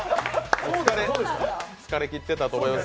疲れ切ってたと思います。